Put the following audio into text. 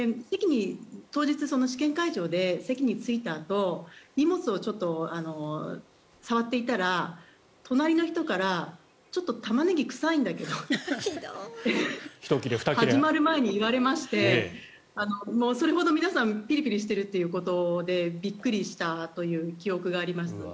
当日、試験会場で席に着いたあと荷物を触っていたら隣の人から、ちょっとタマネギ臭いんだけどって始まる前に言われましてそれほど皆さんピリピリしているということでびっくりしたという記憶があります。